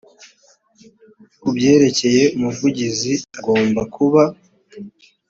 kubyerekeye umuvugizi agomba kuba